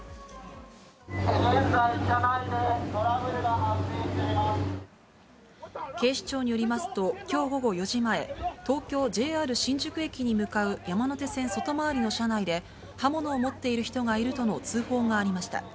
現在、警視庁によりますと、きょう午後４時前、東京・ＪＲ新宿駅に向かう山手線外回りの車内で、刃物を持っている人がいるとの通報がありました。